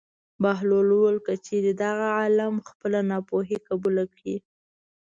بهلول وویل: که چېرې دغه عالم خپله ناپوهي قبوله کړي.